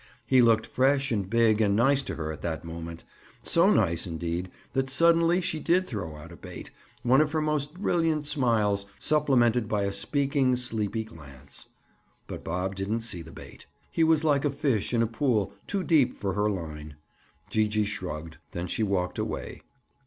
He looked fresh and big and nice to her at that moment, so nice, indeed, that suddenly she did throw out a bait—one of her most brilliant smiles, supplemented by a speaking, sleepy glance. But Bob didn't see the bait. He was like a fish in a pool too deep for her line. Gee gee shrugged; then she walked away.